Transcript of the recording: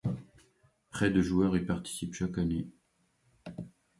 Près de joueurs y participent chaque année.